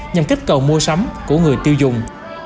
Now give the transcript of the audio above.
nhằm kích cầu mua sắm của người tiêu dùng